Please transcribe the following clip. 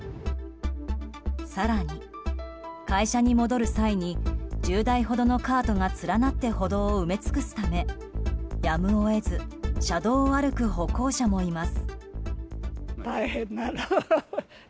更に、会社に戻る際に１０台ほどのカートが連なって歩道を埋め尽くすためやむを得ず車道を歩く歩行者もいます。